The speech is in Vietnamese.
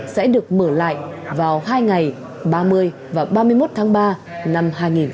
sẽ được mở lại vào hai ngày ba mươi và ba mươi một tháng ba năm hai nghìn hai mươi